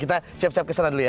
kita pakai perlengkapan dulu ya